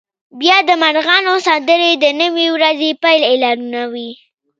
بیا د مرغانو سندرې د نوې ورځې پیل اعلانوي